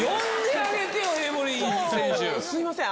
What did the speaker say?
すいません。